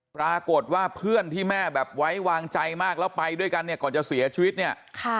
ปรากฏว่าเพื่อนที่แม่แบบไว้วางใจมากแล้วไปด้วยกันเนี่ยก่อนจะเสียชีวิตเนี่ย